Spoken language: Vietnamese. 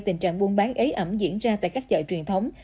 tình trạng buôn bán ế ẩm diễn ra tại các chợ truyền thống